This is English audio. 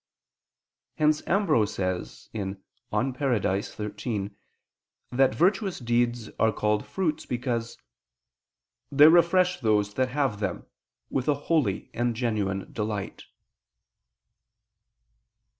Hence Ambrose says (De Parad. xiii) that virtuous deeds are called fruits because "they refresh those that have them, with a holy and genuine delight."